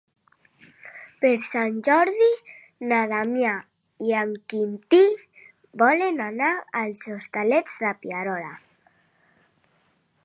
Per Sant Jordi na Damià i en Quintí volen anar als Hostalets de Pierola.